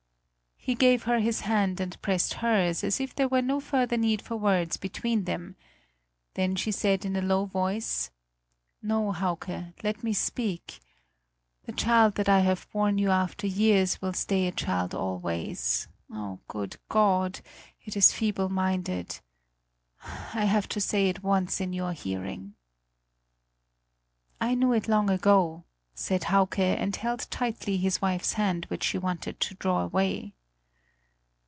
He gave her his hand and pressed hers, as if there were no further need for words between them; then she said in a low voice: "No, Hauke, let me speak: the child that I have borne you after years will stay a child always. Oh, good God! It is feeble minded! I have to say it once in your hearing." "I knew it long ago," said Hauke and held tightly his wife's hand which she wanted to draw away.